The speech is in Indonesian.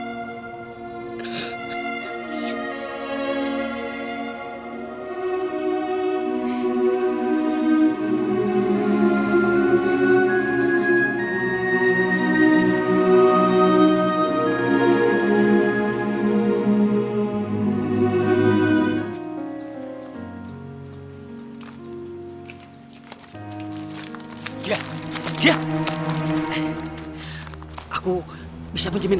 ya tuntolah aku bebanding orang lain